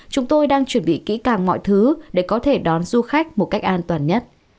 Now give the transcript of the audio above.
chúng tôi đang chuẩn bị kỹ càng mọi thứ để có thể đón du khách một cách an toàn nhất